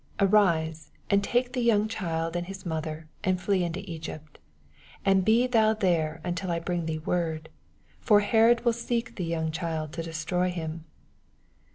Arise, and take the young child and his mother, and flee into Egypt, and ht thoa there until I bring thee word : for Herod will seek the young child to destroy him.